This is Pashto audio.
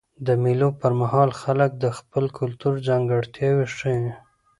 د مېلو پر مهال خلک د خپل کلتور ځانګړتیاوي ښیي.